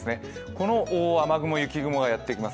この後、雨雲、雪雲がやってきます。